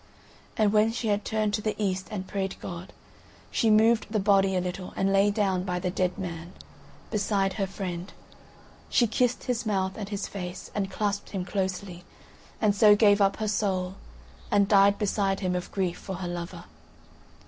And when she had turned to the east and prayed God, she moved the body a little and lay down by the dead man, beside her friend. She kissed his mouth and his face, and clasped him closely; and so gave up her soul, and died beside him of grief for her lover.